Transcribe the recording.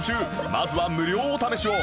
まずは無料お試しを！